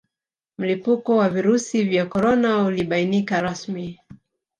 Mlipuko wa Virusi vya Korona ulibainika rasmi